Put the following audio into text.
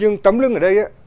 nhưng tấm lưng ở đây